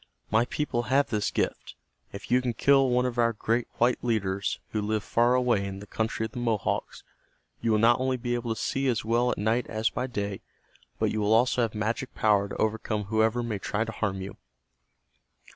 My people have this gift. If you can kill one of our great white leaders, who live far away in the country of the Mohawks, you will not only be able to see as well at night as by day, but you will also have magic power to overcome whoever may try to harm you."